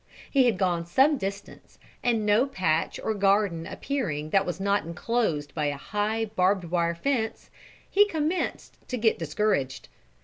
He had gone some distance, and no patch or garden appearing that was not enclosed by a high, barbed wire fence, he commenced to get discouraged.